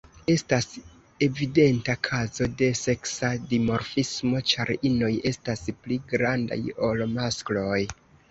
Estas evidenta kazo de seksa dimorfismo, ĉar inoj estas pli grandaj ol maskloj.